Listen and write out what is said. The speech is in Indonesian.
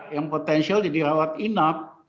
yang potensial jadi rawat inap